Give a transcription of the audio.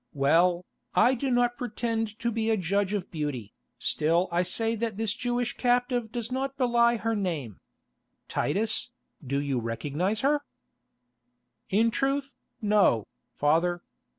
Well, I do not pretend to be a judge of beauty, still I say that this Jewish captive does not belie her name. Titus, do you recognise her?" "In truth, no, father.